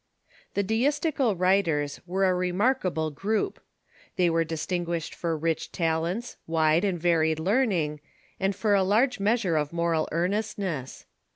Tlie Deistical writers were a remarkable group. They were distinguished for rich talents, wide and varied learning, and for a large measure of moral earnestness.